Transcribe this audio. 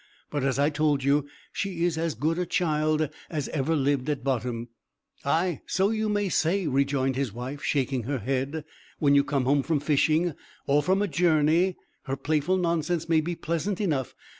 But as I told you she is as good a child as ever lived at bottom." "Ay, so you may say!" rejoined his wife, shaking her head. "When you come home from fishing, or from a journey, her playful nonsense may be pleasant enough.